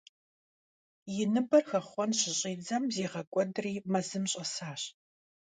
И ныбэм хэхъуэн щыщӀидзэм, зигъэкӀуэдри, мэзым щӀэсащ.